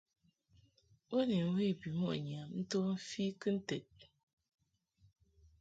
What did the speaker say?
Bo ni mwe bimɔʼ ŋyam nto mfi kɨnted.